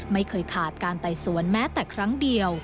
ไม่เคยขาดการไต่สวนแม้แต่ครั้งเดียว